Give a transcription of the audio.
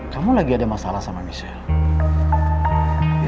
kamu lagi ada masalah sama michelle